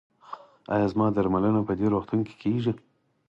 ایا زما درملنه په دې روغتون کې کیږي؟